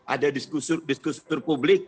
ada diskusur diskusur publik